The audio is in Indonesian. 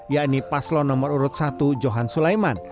yakni paslon nomor urut satu johan sulaiman